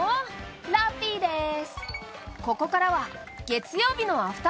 ラッピーでーす！